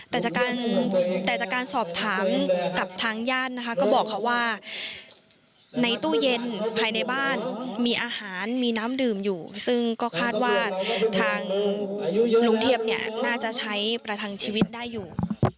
แต่จากการแต่จากการสอบถามกับทางญาตินะคะก็บอกเขาว่าในตู้เย็นภายในบ้านมีอาหารมีน้ำดื่มอยู่ซึ่งก็คาดว่าทางลุงเทียบเนี่ยน่าจะใช้ประทังชีวิตได้อยู่